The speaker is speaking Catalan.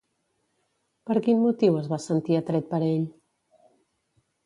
Per quin motiu es va sentir atret per ell?